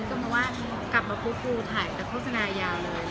ก็เพราะว่ากลับมาปุ๊บกูถ่ายแต่โฆษณายาวเลย